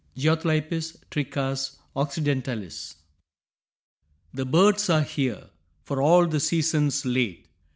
(Geothlypis trichas occidentalis.) The birds are here, for all the season's late.